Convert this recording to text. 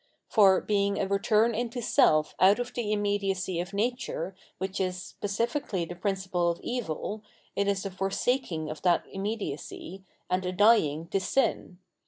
For, being a return into self out of the immediacy of nature which is specifically the principle of evil, it is a forsaking of that immediacy, and a dying to sin.